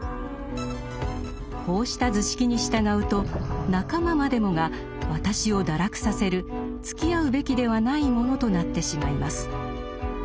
こうした図式に従うと仲間までもが「私」を堕落させるつきあうべきではない者となってしまいます。